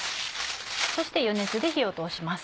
そして余熱で火を通します。